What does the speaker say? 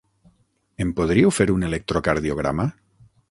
Em podríeu fer un electrocardiograma?